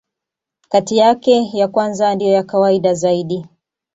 Kati yake, ya kwanza ndiyo ya kawaida zaidi.